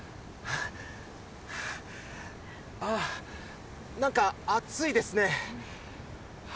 あなんか暑いですね。